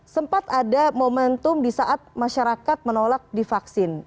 sempat ada momentum di saat masyarakat menolak divaksin